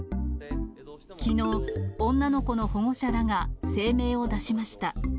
きのう、女の子の保護者らが声明を出しました。